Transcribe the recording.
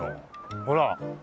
ほら。